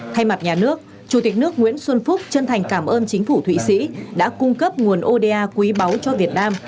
thay mặt nhà nước chủ tịch nước nguyễn xuân phúc chân thành cảm ơn chính phủ thụy sĩ đã cung cấp nguồn oda quý báu cho việt nam